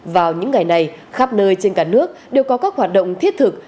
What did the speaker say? vào những ngày này khắp nơi trên cả nước đều có các hoạt động thiết thực